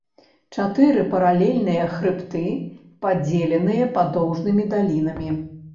Чатыры паралельныя хрыбты, падзеленыя падоўжнымі далінамі.